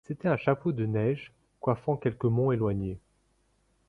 C’était un chapeau de neiges, coiffant quelque mont éloigné